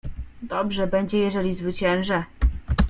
"Dobrze będzie, jeżeli zwyciężę."